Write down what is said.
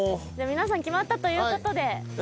皆さん決まったということで。